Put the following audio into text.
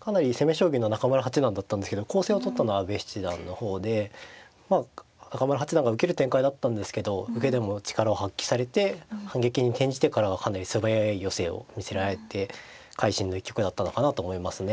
かなり攻め将棋の中村八段だったんですけど攻勢をとったのは阿部七段の方でまあ中村八段が受ける展開だったんですけど受けでも力を発揮されて反撃に転じてからはかなり素早い寄せを見せられて会心の一局だったのかなと思いますね。